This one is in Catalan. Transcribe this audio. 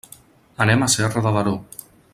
Anem a Serra de Daró.